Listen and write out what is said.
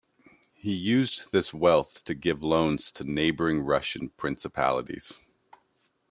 He used this wealth to give loans to neighbouring Russian principalities.